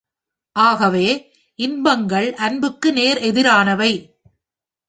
ஆகவே, இன்பங்கள் அன்புக்கு நேர் எதிரானவை.